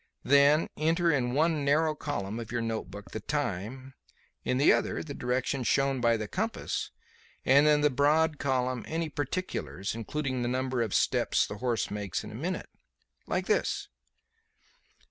Then enter in one narrow column of your notebook the time, in the other the direction shown by the compass, and in the broad column any particulars, including the number of steps the horse makes in a minute. Like this."